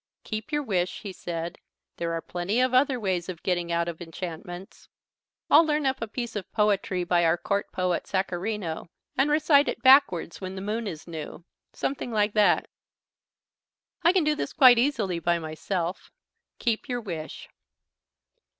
"Keep your wish," he said. "There are plenty of other ways of getting out of enchantments. I'll learn up a piece of poetry by our Court Poet Sacharino, and recite it backwards when the moon is new. Something like that. I can do this quite easily by myself. Keep your wish."